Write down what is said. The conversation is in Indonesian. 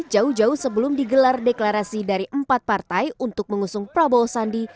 jauh jauh sebelum digelar deklarasi dari empat partai untuk mengusung prabowo sandi